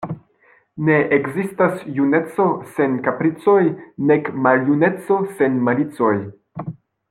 Ne ekzistas juneco sen kapricoj, nek maljuneco sen malicoj.